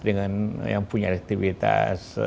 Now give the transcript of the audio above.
dengan yang punya elektriktibilitas